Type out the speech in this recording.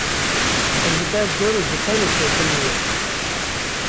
ew li ber derê dikanê sekiniye.